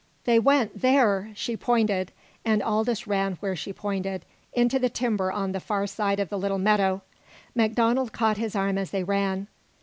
"They went there!" She pointed, and Aldous ran where she pointed into the timber on the far side of the little meadow. MacDonald caught his arm as they ran.